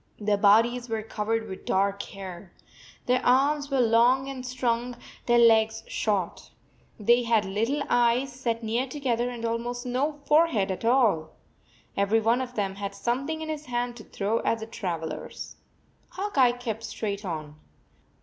Their bodies were covered \vith dark hair. Their arms were long and strong, their legs short. They had little eyes set near together, and almost no forehead at all. Every one of them had something in his hand to throw at the trav elers. Hawk Eye kept straight on.